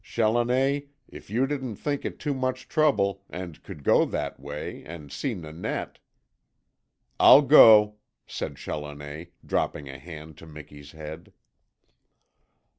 Challoner, if you didn't think it too much trouble, and could go that way and see Nanette " "I'll go," said Challoner, dropping a hand to Miki's head.